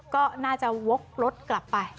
ก็น่าจะวกรถกลับไป